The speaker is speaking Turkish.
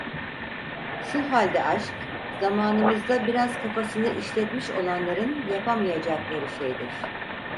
Şu halde aşk, zamanımızda biraz kafasını işletmiş olanların yapamayacakları şeydir…